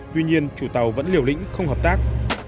tuy nhiên chủ tàu vẫn liều lĩnh không hợp tác